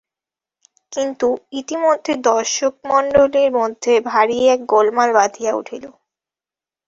কিন্তু ইতিমধ্যে দর্শকমণ্ডলীর মধ্যে ভারি এক গোলমাল বাধিয়া উঠিল।